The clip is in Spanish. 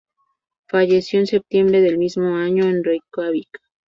Falleció en septiembre del mismo año en Reikiavik.